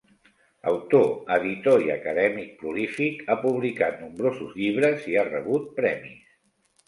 Autor, editor i acadèmic prolífic, ha publicat nombrosos llibres i ha rebut premis.